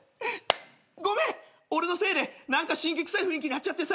ごめん俺のせいで辛気くさい雰囲気になっちゃって。